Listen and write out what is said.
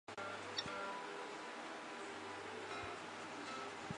而哺乳类中已知具有真社会性的动物只有滨鼠科。